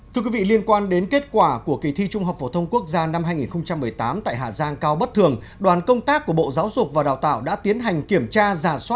trước đó khi công bố kết quả thi trung học phổ thông quốc gia năm hai nghìn một mươi tám dư luận cho rằng kết quả thi có dấu hiệu bất thường của hội đồng thi sở giáo dục và đào tạo tỉnh hà giang